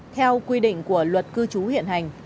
theo quy định của luật cư trú hiện hành